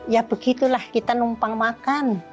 ya begitulah kita numpang makan